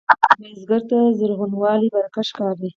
بزګر ته زرغونوالی برکت ښکاري